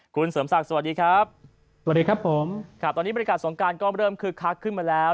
คุณเสริมศักดิ์สวัสดีครับสวัสดีครับผมครับตอนนี้บริการสงการก็เริ่มคึกคักขึ้นมาแล้ว